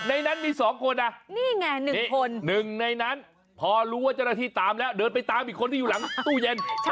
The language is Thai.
ในนั้นมี๒คนนะนี่ไง๑คน๑ในนั้นพอรู้ว่าเจ้าหน้าที่ตามแล้วเดินไปตามอีกคนที่อยู่หลังตู้เย็น